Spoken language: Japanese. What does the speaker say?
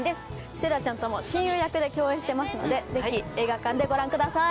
せいらちゃんとも親友役で共演してますのでぜひ映画館でご覧ください。